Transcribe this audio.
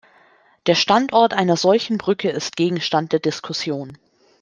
Der Standort einer solchen Brücke ist Gegenstand der Diskussion.